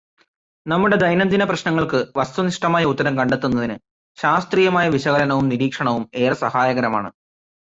നമ്മുടെ ദൈനംദിന പ്രശ്നങ്ങള്ക്ക് വസ്തുനിഷ്ഠമായ ഉത്തരം കണ്ടെത്തുന്നതിനു ശാസ്ത്രീയമായ വിശകലനവും നിരീക്ഷണവും ഏറെ സഹായകരമാണ്.